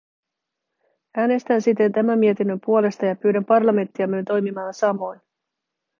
Äänestän siten tämän mietinnön puolesta ja pyydän parlamenttiamme toimimaan samoin.